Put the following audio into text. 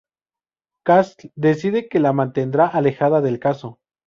Castle dice que la mantendrá alejada del caso.